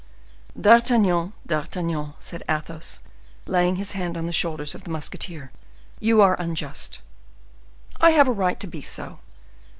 "D'Artagnan! D'Artagnan!" said Athos, laying his hand on the shoulder of the musketeer, "you are unjust." "I have a right to be so."